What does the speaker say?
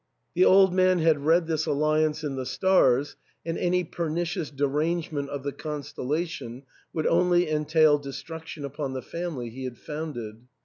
The old man had read this alliance in the stars, and any pernicious derangement of the constellation would only entail destruction upon the family he had founded.